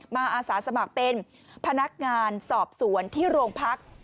อาสาสมัครเป็นพนักงานสอบสวนที่โรงพัก